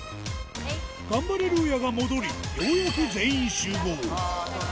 ガンバレルーヤが戻り、ようやく全員集合。